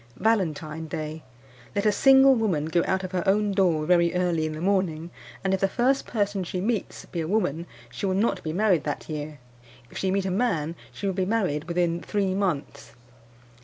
"Valentine Day. Let a single woman go out of her own door very early in the morning, and if the first person she meets be a woman, she will not be married that year; if she meet a man she will be married within three months.